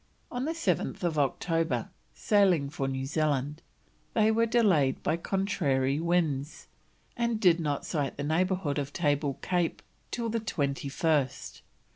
On 7th October, sailing for New Zealand, they were delayed by contrary winds, and did not sight the neighbourhood of Table Cape till the 21st.